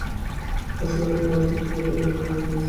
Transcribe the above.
বার্সার আক্রমণ আটকাতে গোটা ম্যাচেই দারুণ খেলেছেন মার্টিনেজ।